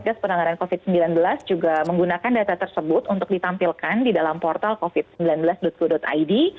jadi kementerian kesehatan dan kementerian pemerintah juga menggunakan data tersebut untuk ditampilkan di dalam portal covid sembilan belas co id